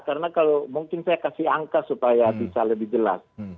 karena kalau mungkin saya kasih angka supaya bisa lebih jelas